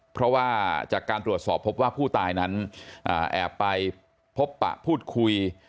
เพราะว่าจากการตรวจสอบพบว่าผู้ตายนั้นแอบไปพบปะพูดคุย